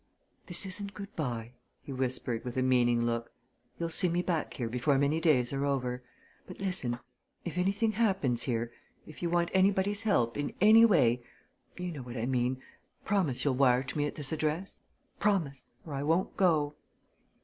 "This isn't good bye," he whispered, with a meaning look. "You'll see me back here before many days are over. But listen if anything happens here, if you want anybody's help in any way you know what I mean promise you'll wire to me at this address. Promise! or I won't go."